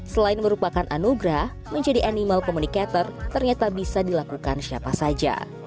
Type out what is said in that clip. selain merupakan anugerah menjadi animal communicator ternyata bisa dilakukan siapa saja